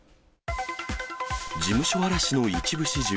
事務所荒らしの一部始終。